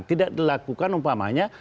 tidak dilakukan umpamanya